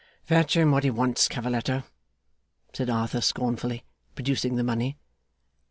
'Fetch him what he wants, Cavalletto,' said Arthur, scornfully, producing the money.